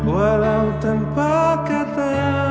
walau tanpa kata